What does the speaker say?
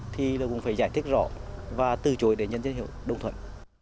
thì cũng phải giải thích rõ và từ chối đến nhân dân hiệu đồng thuận